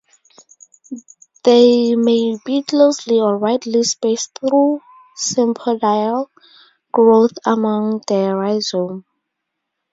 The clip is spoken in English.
They may be closely or widely spaced through sympodial growth along the rhizome.